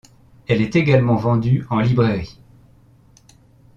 Elle est également vendu en librairie.